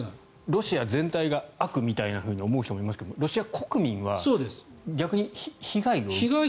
ロシア全体が悪みたいに思う人もいますけどロシア国民は逆に被害を。